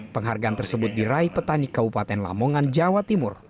penghargaan tersebut diraih petani kabupaten lamongan jawa timur